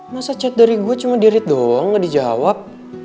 masa chat dari gue cuma di read doang gak dijawab